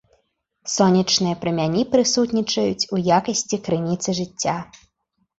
Сонечныя прамяні прысутнічаюць у якасці крыніцы жыцця.